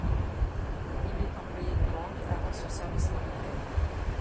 Il est employé de banque avant son service militaire.